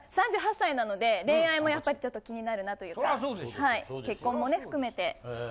３８歳なので恋愛もやっぱりちょっと気になるなというか。